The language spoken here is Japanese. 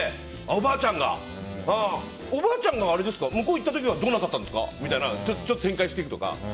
おばあちゃんが向こう行った時はどうなさったんですか、みたいにちょっと展開していくとか。